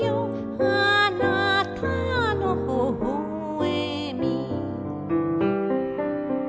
「あなたのほほえみ」